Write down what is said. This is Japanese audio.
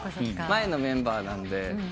前のメンバーなんで。